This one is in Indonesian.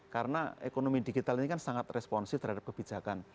karena ekonomi digital ini kan sangat responsif terhadap kebijakan